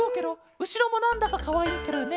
うしろもなんだかかわいいケロよね。